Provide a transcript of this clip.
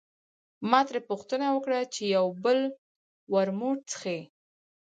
ما ترې پوښتنه وکړه چې یو بل ورموت څښې.